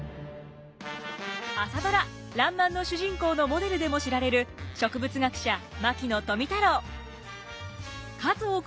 朝ドラ「らんまん」の主人公のモデルでも知られる植物学者牧野富太郎。